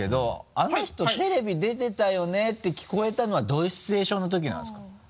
「あの人テレビ出てたよね」って聞こえたのはどういうシチュエーションの時なんですか？